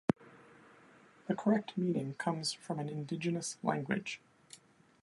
The correct meaning comes from an Indigenous language.